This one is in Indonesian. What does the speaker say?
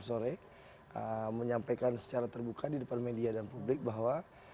orang panggil termasuk lebih dekat dulu itu